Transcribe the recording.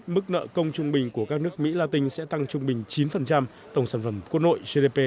mức nợ công trung bình của các nước mỹ la tinh sẽ tăng trung bình chín tổng sản phẩm quốc nội gdp